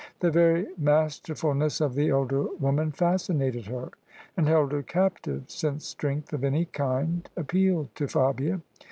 The very masterfulness of the elder woman fascin ated her and held her captive, since strength of any kind appealed to Fabia.